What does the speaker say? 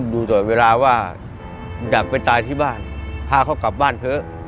ดูตลอดเวลาว่าอยากไปตายที่บ้านพาเขากลับบ้านเถอะ